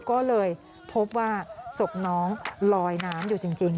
ก็เลยพบว่าศพน้องลอยน้ำอยู่จริง